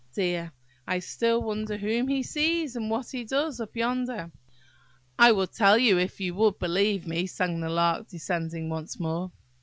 Dear! I still wonder whom he sees, and what he does up yonder." "I would tell you, if you would believe me," sang the Lark, descending once more.